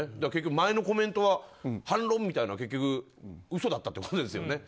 前のコメントは、反論みたいな嘘だったってことですよね。